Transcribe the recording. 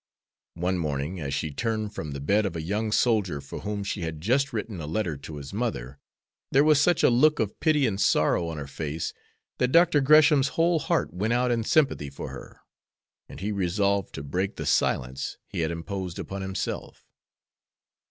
One morning, as she turned from the bed of a young soldier for whom she had just written a letter to his mother, there was such a look of pity and sorrow on her face that Dr. Gresham's whole heart went out in sympathy for her, and he resolved to break the silence he had imposed upon himself.